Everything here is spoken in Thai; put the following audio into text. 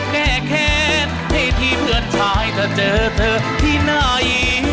แก้แค้นให้ที่เพื่อนชายเธอเจอเธอที่ไหน